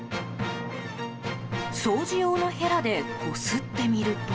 掃除用のヘラでこすってみると。